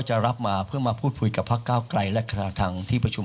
จะรับมาเพื่อมาพูดคุยกับพักเก้าไกลและคณะทางที่ประชุม